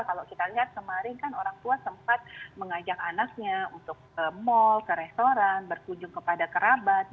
kalau kita lihat kemarin kan orang tua sempat mengajak anaknya untuk ke mall ke restoran berkunjung kepada kerabat